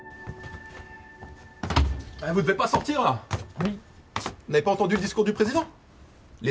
はい？